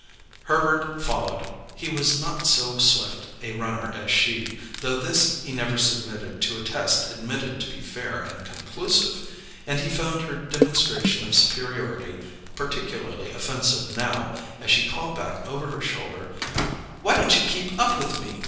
_" Herbert followed. He was not so swift a runner as she, though this he never submitted to a test admitted to be fair and conclusive; and he found her demonstration of superiority particularly offensive now, as she called back over her shoulder: "Why don't you keep up with me?